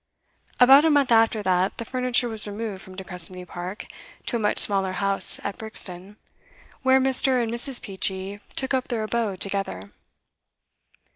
About a month after that the furniture was removed from De Crespigny Park to a much smaller house at Brixton, where Mr. and Mrs. Peachey took up their abode together.